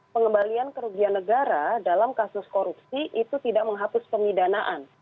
pengembalian kerugian negara dalam kasus korupsi itu tidak menghapus pemidanaan